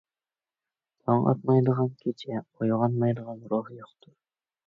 تاڭ ئاتمايدىغان كېچە، ئويغانمايدىغان روھ يوقتۇر.